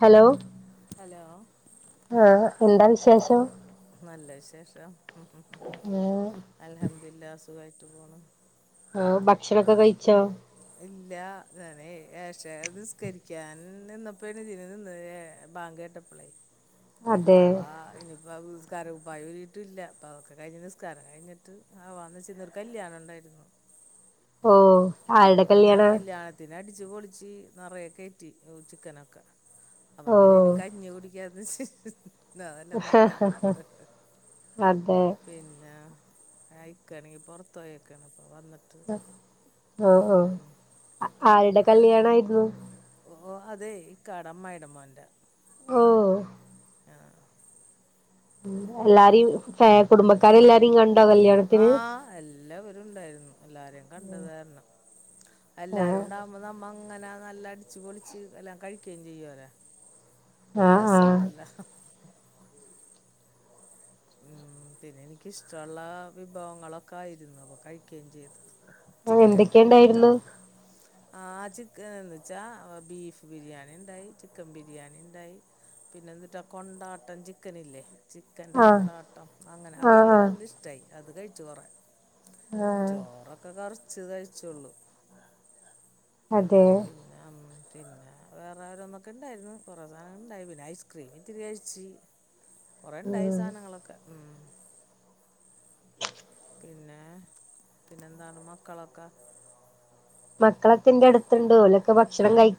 Hello hello ആ എന്താ വിശേഷം നല്ല വിശേഷം ഉം ഉം ആഹ് അൽഹംദുലില്ലാഹ് സു സുഖായിട്ട് പോണ് ആവു ഭക്ഷണം ഒക്കെ കഴിച്ചോ ഇല്ല ഞാനെ ഏഷാഹ് നിസ്കരിക്കാൻ നിന്നപ്പെയ്ന് ഇതിൻ നിന്നാതാ ഞാൻ ബാങ് കേട്ടപ്പളേ അതെ അപ്പാ ഇനിപ്പാ ആ വീ നിസ്കാരകുപ്പായം ഊരിയിട്ടില്ല അപ്പ അതൊക്കെ കഴിഞ്ഞ് നിസ്കാരം കഴിഞ്ഞിട്ട് ആവാന്ന് വെച്ച് ഇന്നൊരു കല്യാണം ഉണ്ടായിരുന്നു ഓ അപ്പ ആരുടെ പിന്നെ കല്യാണാ കല്യാണത്തിന് അടി ച്ച് പൊളിച്ച് നിറെ കേറ്റി ചിക്കനൊക്കെ അപ്പൊ ഓ പിന്നെ ഇനി കഞ്ഞി കുടിക്കാ ഇല്ല അതല്ലെ നല്ലത് അതെ പിന്നെ ആ ഇക്കയാണെങ്കിൽ പൊറത്ത് പോയേക്കാണ് ഇപ്പം വന്നി ഇതാ ഓ ഓ ആരുടെ കല്യാണം ആയിരുന്നു ഓ അതെ ഇക്കാടെ അമ്മായിടെ മോന്റെ ഓ ആ ഉം എല്ലാരും പിന്നെ ആ കല്യാണത്തിന് എല്ലാവരും ഉണ്ടായിരുന്നു എല്ലാരെയും കണ്ടത്‌ കാരണം എല്ലാരും ആഹ് ഉണ്ടാവുമ്പോ നമ്മ അങ്ങനെ നല്ല അടിച്ച് പൊളിച്ച് എല്ലാം കഴിക്കയും ചെയ്യുവേലേ ആഹ് രസവാണല്ലേ ഉം പിന്നെ എനിക്കിഷ്ടള്ള വിഭവങ്ങളൊക്കെ ആയിരുന്നു കയിക്കേം ചെയ്തു ആ എന്തൊക്കെ ഇണ്ടായിരുന്നു ആഹ് ചിക്കന്‌ന്നച്ചാൽ ബീഫ് ബിരിയാണി ഇണ്ടായി ചിക്കൻ ബിരിയാണി ഇണ്ടായി പിന്നെന്നിട്ടാ കൊണ്ടാട്ടം ചിക്കനില്ലേ ചിക്കൻ ആഹ് കൊണ്ടാട്ടം അങ്ങനെ അത് ആഹ് ഇൻക്ക് നല്ല ആഹ് ഇഷ്ട്ടായി. അത് കഴിച്ചു കൊറെ ആഹ് ചോറൊക്കെ കറു ച്ച്ത് അഴിച്ചൊള്ളൂ അതെ പിന്നെ വേറെ വാര ഒന്നൊക്കെ ഇണ്ടായിരുന്നു കൊറെ സാധന ഇണ്ടായി പിന്നെ ഐസ്ക്രീമിൻ ത്തിരി കഴിച്ച്. കൊറെ ഇണ്ടായി ഉം സാനങ്ങളൊക്കെ പിന്നെ പിന്നെന്താണ് മക്കളൊക്കെ മക്കളത്തിന്റടുത്ത്ണ്ട് ഓലൊക്കെ ഭക്ഷണം കഴി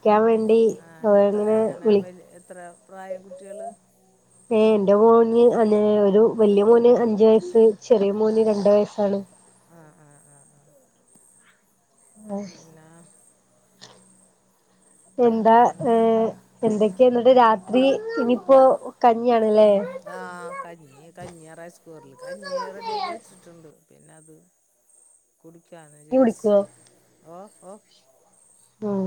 ആഹ് എത്ത് [unintelligible] എങ്ങനെ വല് [unintelligible] എത്ര പ്രായം കുട്ട്യേള് ഏ എന്റെ മോന് അ [unintelligible] ഒരു വല്ല്യ മോന് അഞ്ച് വയസ്സ്. ചെറിയ ആ മോന് രണ്ട് വയസ്സാണ്. ആ ആ പിന്ന എന്താ ഏ പിന്നെന്താണ് എന്തൊക്കെ ഇന്നട്ട് രാത് രി വിപ്പോ കഞ്ഞ്യാ ആഹ് കഞ്ഞി കഞ്ഞിയാ റൈസ് കുക്കറില് കഞ്ഞി റെഡിയാക്കി വെച്ചിട്ടുണ്ട് പിന്ന അത് കുടിക്കാണ് കഞ്ഞി ജേഴ്സി കുടിക്കുവോ ഓ ഓഹ് ഉം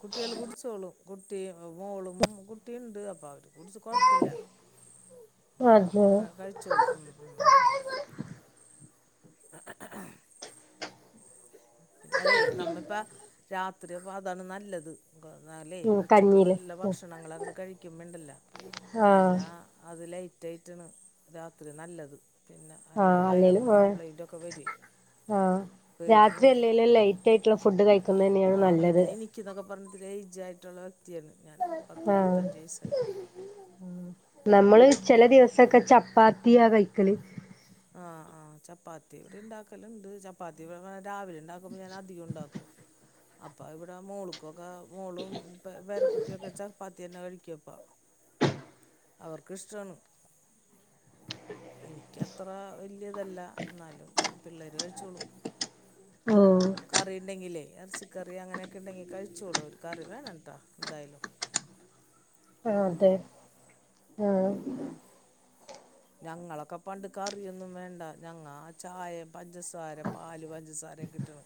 കുട്ടികള് കുടിച്ചോളും കുട്ടി മോളും കുട്ടിയുണ്ട് അപ്പം അവര് കുടിച്ച് കൊഴപ്പൊല്ല ആഹ് അതെ ക കഴിച്ചോളും ഉം ഉം ഉം പിന്നെ അതെ നമ്മ ഇപ്പാ രാ ത്രി അപ്പാ അതാണ് നല്ലത്. [unintelligible] ല്ലേ ഉം ഉച്ചക്ക് കഞ്ഞീല് നല്ല ഭക്ഷണങ്ങളങ്ങട് കഴിക്ക്മ്പ ഇണ്ടല്ലാ ആഹ് പിന്നെ അതില റ്റാണ് രാത്രി നല്ലത്. പിന്നെ ആഹ് അല്ലെങ്കിൽ അല്ലേലും വയറിന് ആഹ് കബ്ലയിന്റൊക്കെ വെരുവെ പേടിയാ ഇല്ല ലൈറ്റായിട്ട്ള്ള ഫുഡ് കഴി ആ പിന്നെ നീ നിക്കിന്നൊക്കെ പർഞ്ഞ് എയ്ജ് ആയിട്ടുള്ളോര് റ്റി ആയിരുന്നു ഞാൻ ആഹ് പത്തമ്പത്തഞ്ച് വയസ്സായി നമ്മൾ ചെല അപ്പോൾ ദിവസൊക്കെ ചപ്പാ ത്തി ആ വൈക്കൽ ആ ആ ചപ്പാത്തി ഇവിടെ ഇണ്ടാക്കൽ ഇണ്ട് ചപ്പാത്തി [unintelligible] രാവിലെ ഇണ്ടാക്കുമ്പോ ഞാൻ അധികം ഉണ്ടാക്കും അപ്പൊ ഇവടെ മോൾക്ക്‌ ഒക്കെ മോളും പേ പേരകുട്ടിയൊക്കെ ചപ്പാത്തിയെന്നെ കഴിക്കും ക്കും അപ്പാ അവർക്ക് ഇഷ്ടാണ് എനിക്കത്ര വല്ല്യ ഇതല്ല ഇന്നാലും പിള്ളേര് കഴിച്ചോളും ഓ എർച്ചിക്കറി അങ്ങനെയൊക്കെ ഇണ്ടെങ്കി കഴിച്ചോളും ഒരു കറി വേണംട്ടാ എന്തായാലും ആ ഉം, അതെ ഉം. ആ പിന്നെ ഞങ്ങളൊക്കെ പണ്ട് കറിയൊന്നും വേണ്ട ഞങ്ങ ചായേം പഞ്ചസാര പാല് പഞ്ചസാര ഒക്കെ ഇട്ട്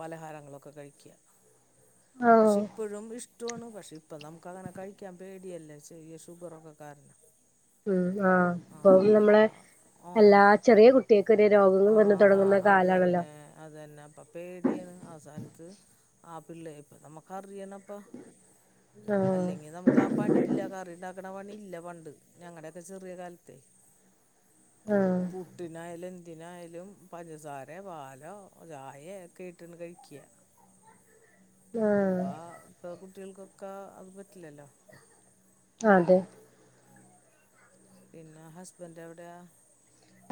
പലഹാരങ്ങളൊക്കെ കഴിക്കാ പക്ഷേ ആഹ് ഇപ്പഴും ഇഷ് ഇഷ്ടൊണ് പക്ഷെ ഇപ്പം നമുക്ക് അങ്ങനെ കഴിക്കാൻ പേടിയല്ലേ ചെറിയ ഷുഗറൊക്കെ കാരണം ഉം ആ ആ അപ്പ ഓ ചെറിയ കുട്ടികൾക്ക് വരെ രോഗങ്ങൾ ആ വന്ന് ആ തുടങ്ങുന്ന അത് കാലാണല്ലോ യെന്നെ അത് യെന്നെ അപ്പ പേടിയാണ് ആ സാന ത്ത് ആ പിള്ളെ ഇപ്പ നമ്മക്കറിയണപ്പ ആഹ് അല്ലെങ്കി നമ്മുക്ക് ആ പണി ഇല്ല കറിയിണ്ടാ ക്ക്‌ണ പണി ഇല്ല പണ്ട് ഞങ്ങടെക്കെ ചെറിയ കാല ത്ത് ആഹ് പുട്ടിനായാല് എ ന്തിനായാലും പഞ്ചസാരെ പാലോ ചായെ ഒക്കെ ഇട്ട്ണ്ട് കഴിക്ക്യ ആഹ് ഇപ്പാ ഇപ്പൊ കു കുട്ടികൾക്കൊക്കെ അത് പറ്റില്ലല്ലോ അതെ പിന്നെ ഹസ്ബൻഡ് എവിടെയാ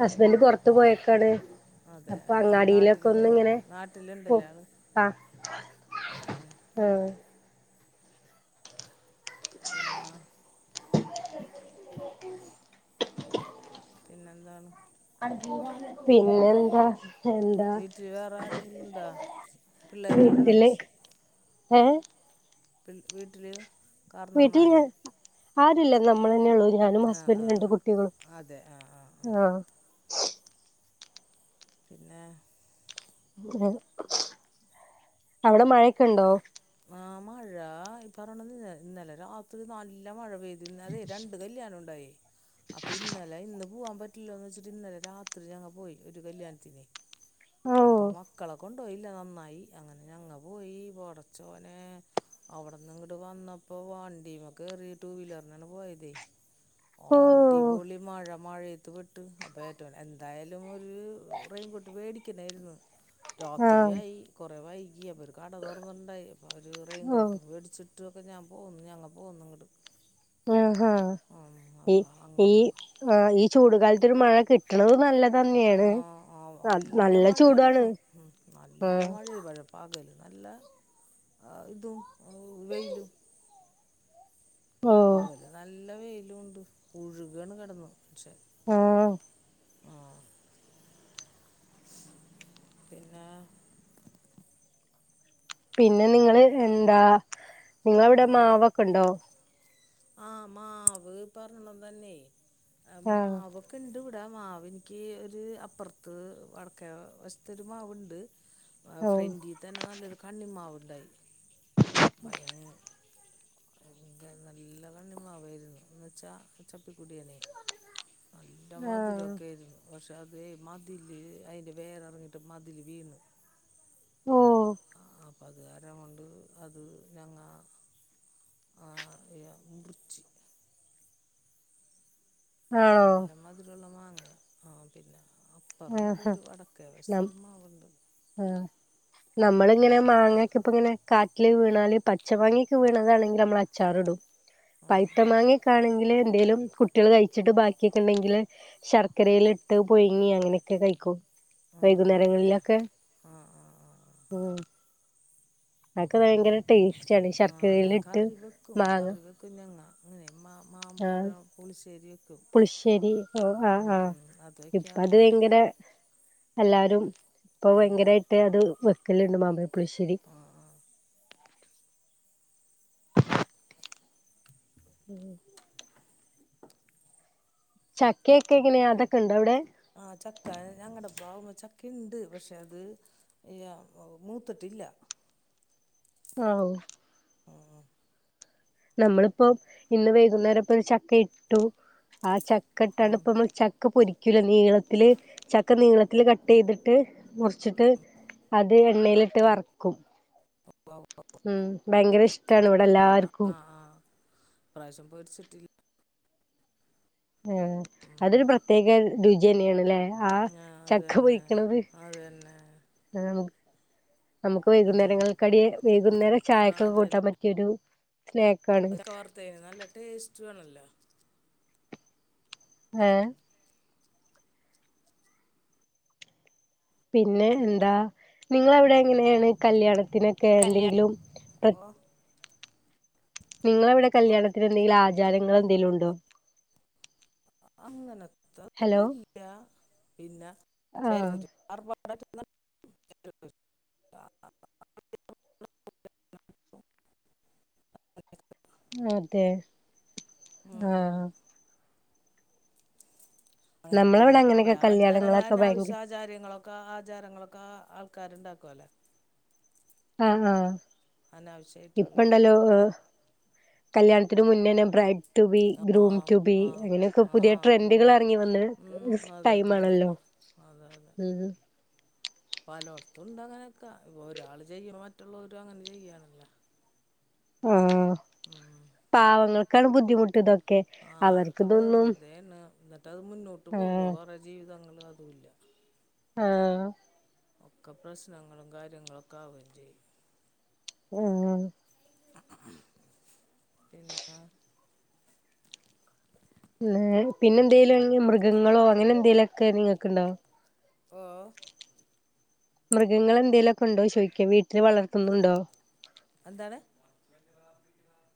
ഹസ്ബൻഡ് പൊർത്ത് പോയക്കാണ് അതെ ആ ആൾ നാട്ടിൽ ഇണ്ട്ലെ നാട്ടിൽ പോ ഇണ്ട്ലെ ആൾ ആഹ് ഉം ആഹ് പിന്നാ പിന്നെന്താണ് പിന്നെ എന്താ വീട്ടിൽ വേറെ ആരെങ്കിലും ഇണ്ടോ പിള്ളേര് യെന്നെയാണോ ഒ ഏ പി വീട്ടില് കാർന്നോമ്മാരെ ആരുമില്ല നമ്മള് തന്നെയേ ഉള്ളൂ ഞാനും ഹസ്ബൻഡും രണ്ട് ആ കുട്ടികളും അതെ ആ ആ ആ ആഹ് പിന്നെ അവിടെ മഴയൊക്കെ ഉണ്ടോ ആ മഴ ഈ പറഞ്ഞോണ്ട് ഇന് ഇന്നലെ രാത്രി നല്ല മഴ പെയ് ഇന്നതെ രണ്ട് കല്യാണം ഉണ്ടായെ അപ്പൊ ഇന്നലെ ഇന്നും പൂവാൻ പറ്റില്ലല്ലോന്ന് വെച്ചിട്ട് ഇന്നലെ രാത്രി ഞങ്ങ പോയി ഒരു കല്യാണത്തിനെ അപ്പൊ ഓഹ് മക്കളെ കൊണ്ട് ഓ ഇല്ല നന്നായി അങ്ങനെ ഞങ്ങ പോയി പൊട ച്ചോനെ അവിടെന്ന് ഇങ്ങട് വന്നപ്പോ വണ്ടീമ്മെ കേറി ടു വീലറിനാണെ പോയതെ ഓഹ് അടിപൊളി മഴ മഴയെ [unintelligible] പെട്ട് അപ്പോ [unintelligible] എന്തായാലും [unintelligible] റെയിൻകോട്ട് വേടിക്കണായിരുന്നു ആഹ് രാത്രിയായി കൊറെ വൈകി യപ്പോ ഒരു കട തൊറന്ന്ട്ട്ണ്ടായി അപ്പൊ അവര് ഓഹ് റെയിൻകോട്ട് മേടിച്ചിട്ട് ചുറ്റുവൊക്കെ ഞാൻ പോകുന്നു ഞങ്ങ പോന്നു ഇങ്ങട്. ആഹ് ആഹ് ഈ ഈ അങ്ങനെ ആഹ് ഈ ചൂടുകാലത്ത് ഒര് മഴ കിട്ടണത് നല്ലത് തന്നെയാണ് ആഹ് ആഹ് നല്ല മഴയാരുന്നു ഉം നല്ല ആഹ് മഴ ഇവടെ പകലും നല്ല അ ഇതും വെയിലും. ഓ പകല് നല്ല വെ ണ്ട് പുഴുകാണ് കിടന്നു പക്ഷേ ആഹ് പിന്നെ പിന്നെ നിങ്ങള് ന്താ നിങ്ങളവിടെ ഓ മാവൊക്കെ ഇണ്ടോ? ആ മാവ് പറിണതന്നെ അ ആഹ് മാവൊക്കെണ്ട് വീ എടെ മാവിൻക്ക് ഒരു അപ്പറത്ത് വടക്കേ വശത്തൊരു മാവുണ്ട് ഓ ഫ്രൻണ്ടി തന്നെ നല്ലൊരു കണ്ണിമാവ്. ണ്ടായി [unintelligible] [unintelligible] ല്ല കണ്ണി മാവാരുന്നു എന്നെച്ചാ ചപ്പി കൂടിയേനെ നല്ല ആഹ് മതിരോക്കെ ആരുന്നു പക്ഷെ അതെ മതില് അയിന്റെ വേരെറങ്ങീട്ട് മതില് വീണ് ഓ അപ്പ അതുകാരം കൊണ്ട് അത് ഞങ്ങ ആ മുറിച്ച് അ ങ്ങ ആ പിന്ന ആ ഹാ ആ നമ്മള് മാവുണ്ട് ആഹ് നമ്മളിങ്ങനെ അപ്പം മാങ്ങേക്ക അത് ഇപ്പ ഇങ്ങനെ കാറ്റിൽ വീ ന്നാല് പച്ച മങ്ങേക്ക വീണതാണെങ്കി അമ്മള് അച്ചാറ് ഇടും ആ പഴ്ത്ത ആ മങ്ങേക്ക ആണെങ്കില് എന്തേലും കുട്ടികള് കഴിച്ചിട്ട് ബാക്കി ഒക്കെ ഇണ്ടെങ്കില് ശർക്കരേൽ ഇട്ട് പുഴുങ്ങി അങ്ങനെ ക്കെ കഴിക്കൂ ആ ആ ആ വൈകുന്നേരങ്ങളിലൊക്കെ ആ ആ ആ ആ ഭയങ്കര ടേസ്റ്റ് ആണ് ആഹ് ശർക്കരേൽ ഞാൻ ഇട്ട് കറി വെക്കും മാങ്ങ കറി വെക്കും ഞങ്ങ മാ ആഹ മാമ്പഴം പുളിശ്ശേരി വെക്കും പുളിശ്ശേരി ഓ ആ ഉം ആ ഉം അത് ഇപ്പ അത് വെക്കാറുണ്ട് ഞാൻ യങ്കര എല്ലാരും ഇപ്പൊ ഭയങ്കരായിട്ട് അത് വെക്കലുണ്ട് മാമ്പഴപ്പുളിശ്ശേരി ഉം ചക്കയൊക്കെ എങ്ങനെയ അതൊക്കെ ഉണ്ടോ അവിടെ ആ ചക്ക ഞങ്ങടെ പ്ലാവുമ്മേ ചക്ക ഇ ണ്ട് പക്ഷെ അത് അ മൂത്തിട്ടില്ല ആ ഉം ഉം നമ്മളിപ്പോ ഇന്ന് വൈകുന്നേര ഇപ്പൊ ഒരു ചക്ക ഇട്ടു ആ ച ക്കെട്ടാണ് ഇപ്പ മ്മള് ചക്ക പൊരി ക്കില് നീളത്തില് ചക്ക നീളത്തില് കട്ട് ചെയ്തിട്ട് മുറിച്ചിട്ട് അത് എണ്ണേലിട്ട് വറക്കും വൗ ഉം ഭയങ്കര ഇഷ്ടാണ് ഇവിടെ എല്ലാർക്കും പ്രാവിശ്യം പോയി ഒരു സിറ്റി ആ അതൊരു പ്രത്യേക രുചി തന്നെയാണല്ലേ ആ ആഹ് അത് ചക്ക തന്നെ പൊയിക്കണത് അത് തന്നെ ആ നമുക്ക് ഉം വൈകുന്നേരങ്ങൾ ക്കടി വൈകുന്നേര ആഹ് ചായക്കെ അത് തന്നെ കൂട്ടാൻ പറ്റിയൊരു സ്നാക്ക് ആണ് റ്റുവണല്ല ഏ പിന്നെ എന്താ നിങ്ങളവിടെ എങ്ങനെയാണ് കല്യാണം തിനൊക്കെ എന്തെങ്കിലും പ്ര ഓഹ് നിങ്ങളവിടെ കല്യാണത്തിന് എന്തെങ്കിലും ആചാരങ്ങള് എന്തേലും ഒണ്ടോ അങ്ങന ഒന്നും ഇല്ല പിന്ന ആഹ് ചെലോര് ആർഭ അതെ ഉം ആ ഉം അങ്ങനെ നമ്മളവിടെ പിന്നെ കൊറെ അങ്ങനെയൊക്കെ ആചാരങ്ങൾ കല്യാണങ്ങളൊക്കെ ഭയങ്കര അനാവശ്യാചാരങ്ങളൊക്ക ആചാരങ്ങളൊക് ക്കാ ആൾക്കാരുണ്ടാക്കുവല്ലോ? ആ ആ അനാവശ്യമായിട്ടുള്ളേ ഇപ്പണ്ടല്ലോ ഏഹ് കല്യാണത്തിന് മുന്നേനെ ബ്രൈ റ്റു ബി ഗ്രൂം ആഹ് റ്റു ബി ആഹ് അങ്ങനെയൊക്കെ പുതിയ ആഹ് ഉവ്വ ട്രെൻഡുകൾ ഇറങ്ങി വന്ന് ഉം ടൈം അതന്നെ ആണല്ലോ അതന്നെ ഉം. പലോട്ത്തുണ്ട് അങ്ങനൊക്ക. ഇപ്പൊ ഒരാൾ ചെയ്യാ മറ്റുള്ളവരും അങ്ങനെ ചെയ്യണല്ലോ. ഉവ്വ പാവങ്ങക്കാണ് ബുദ്ധിമുട്ടിതൊ ക്കെ. ആഹ് അവർക്ക് അതൊക്കെ ഇതൊന്നും വെറുതെയാണ് എന്നിട്ട് അത് മുന്നോട്ട് പോകുവോ വേറെ ജീവിതങ്ങൾ അതുല്ല. ആഹ്. ഒക്കെ പ്രശ്നങ്ങളും കാര്യങ്ങളൊക്കെ ആവുവേം ചെയ്യും. അതെന്യാണ്. പിന്നെ പിന്നെ പിന്നെ എന്തേലും മൃഗങ്ങളോ അങ്ങനെ എന്തേലും ഒക്കെ നിങ്ങക്ക്ണ്ടോ? ഓ മൃഗങ്ങൾ എന്തേലൊക്കെ ഉണ്ടോ ചോയിക്ക വീട്ടില് വളർത്തുന്നുണ്ടോ? എന്താണ്?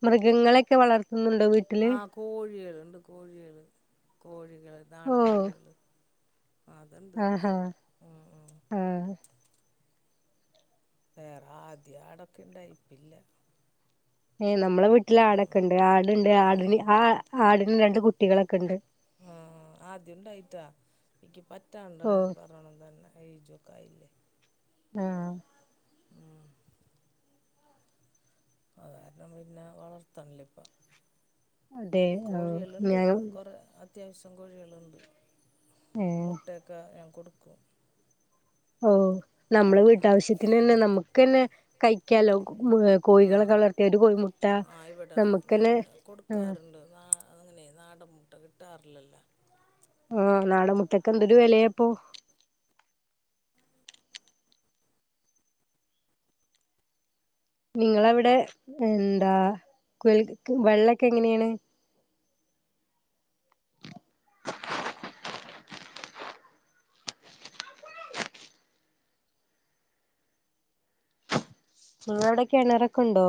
മൃഗങ്ങളെക്കെ വളർത്ത് ആഹ് കോഴികൾ ഉണ്ട് കോഴിയേള് കോഴി കൾ നാടൻ കോഴികള് അതുണ്ട് ആഹ് ഹാ ഉം ഉം ആഹ്. വേറെ ആദ്യ അടൊക്കെ ഇണ്ടായി ഇപ്പില്ല. ഏ നമ്മളെ വീട്ടില് ആടൊക്കെ ഉണ്ട് ആടുണ്ട് ആടിന് ആ ആടി ന് രണ്ട് കുട്ടികളൊക്കെ ഉണ്ട്. ആ ആദ്യം ഉണ്ടായിട്ടാ എനിക്കി ഓ പറ്റാണ്ടെണ്‌ പറയണം തന്നെ എയ്ജൊ ക്കായില്ലെ. ആഹ് അത് കാരണം പിന്നാ വളർത്തണില്ല ഇപ്പ. അതെ ഓ ഞാനും ത്യാവശ്യം കോഴികളുണ്ട്. ഏ മുട്ടയൊക്കെ ഞാൻ കൊടു [unintelligible] ഓ നമ്മള് വീട്ടാവശ്യത്തിനന്നെ നമുക്കന്നെ കഴിക്കാലോ? ആ കോകോഴികളൊക്കെ വളർത്തിയ ഒരു കോഴിമുട്ട ആ ഇവിടെ ഞാൻ നമുക്കന്നെ ആ കൊടുക്കാറുണ്ട് നാ അങ്ങനെ നാടൻ മുട്ട കിട്ടാറില്ലല്ലോ? ആഹ് നാടൻമുട്ടക്ക എന്തൊരു വെലയാപ്പോ നിങ്ങളവിടെ എന്താ കുയൽ വെള്ളക്കെ എങ്ങനെയാണ് നിങ്ങളവിടെ കിണറൊക്കെ ഇണ്ടോ